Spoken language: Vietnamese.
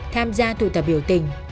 tham gia thủ tập biểu tình